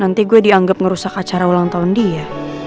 nanti gue dianggap ngerusak acara ulang tahun dia